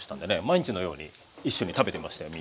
毎日のように一緒に食べてましたよ